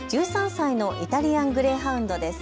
１３歳のイタリアングレーハウンドです。